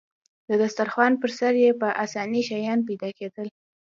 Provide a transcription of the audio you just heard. د دسترخوان پر سر يې په اسانۍ شیان پیدا کېدل.